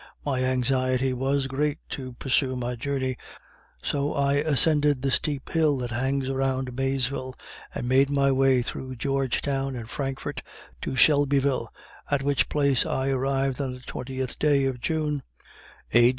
My anxiety was great to pursue my journey, so I ascended the steep hill that hangs around Maysville, and made my way through Georgetown and Frankfort, to Shelbyville, at which place I arrived on the 20th day of June, A.